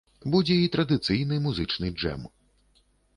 Будзе і традыцыйны музычны джэм.